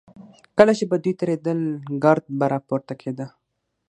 کله چې به دوی تېرېدل ګرد به راپورته کېده.